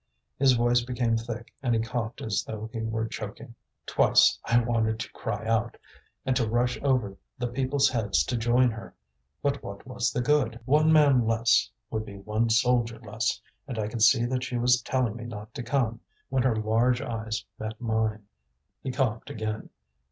His voice became thick, and he coughed as though he were choking. "Twice I wanted to cry out, and to rush over the people's heads to join her. But what was the good? One man less would be one soldier less; and I could see that she was telling me not to come, when her large eyes met mine." He coughed again.